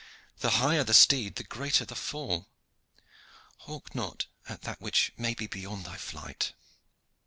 "The higher the steed the greater the fall. Hawk not at that which may be beyond thy flight."